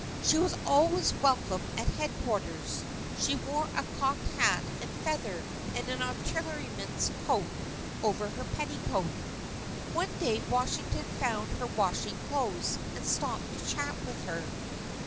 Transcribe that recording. She was always welcome at Headquarters. She wore a cocked hat and feather, and an artilleryman's coat over her petticoat. One day, Washington found her washing clothes, and stopped to chat with her.